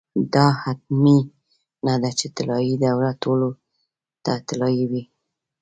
دا حتمي نه ده چې طلايي دوره ټولو ته طلايي وي.